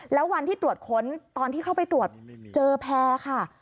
แล้ววันที่ตรวจค้นตอนที่เข้าไปตรวจเจอแพร่ค่ะ